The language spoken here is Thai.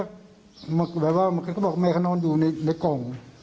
เขาไม่รู้เมื่อคืนเขาก็บอกว่าแม่เขานั่วอยู่ในกลง